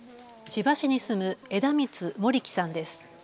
千葉市に住む枝光盛樹さんです。